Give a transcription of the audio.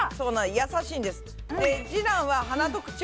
優しいんです。